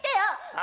あ？